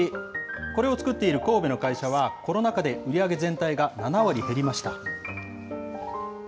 これを作っている神戸の会社は、コロナ禍で売り上げ全体が７割減りました。